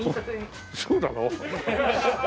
そうだろ？